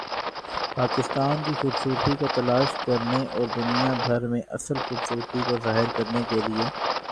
پاکستان کی خوبصورتی کو تلاش کرنے اور دنیا بھر میں اصل خوبصورتی کو ظاہر کرنے کے لئے